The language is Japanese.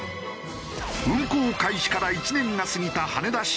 運航開始から１年が過ぎた羽田新ルート。